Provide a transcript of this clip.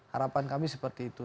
harapan kami seperti itu